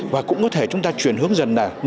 và cũng có thể chúng ta chuyển hướng dần là